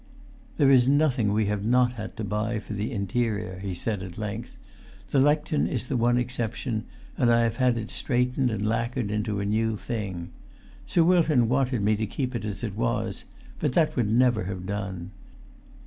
"There is nothing we have not to buy, for the interior," he said at length. "The lectern is the one exception, and I have had it straightened and lacquered into a new thing. Sir Wilton wanted me to keep it as it was; but that would never have done.